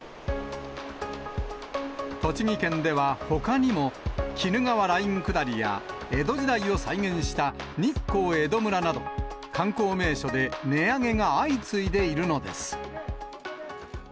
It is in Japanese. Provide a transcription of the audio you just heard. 栃木県ではほかにも、鬼怒川ライン下りや江戸時代を再現した日光江戸村など、観光名所で値上げが相次いでいるのです。